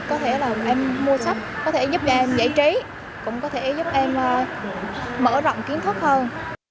có thể là em mua sách có thể giúp cho em giải trí cũng có thể giúp em mở rộng kiến thức hơn